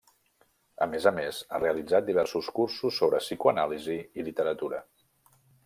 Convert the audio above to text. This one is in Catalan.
A més a més, ha realitzat diversos cursos sobre psicoanàlisi i literatura.